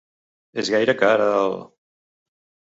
És gaire car el??